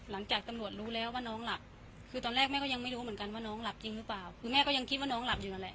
หลังจากตำรวจรู้แล้วว่าน้องหลับคือตอนแรกแม่ก็ยังไม่รู้เหมือนกันว่าน้องหลับจริงหรือเปล่าคือแม่ก็ยังคิดว่าน้องหลับอยู่นั่นแหละ